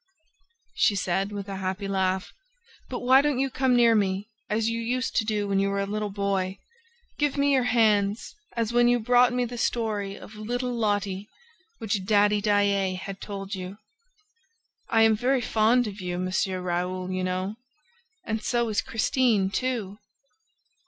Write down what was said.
she said, with a happy laugh. "But why don't you come near me, as you used to do when you were a little boy? Give me your hands, as when you brought me the story of little Lotte, which Daddy Daae had told you. I am very fond of you, M. Raoul, you know. And so is Christine too!"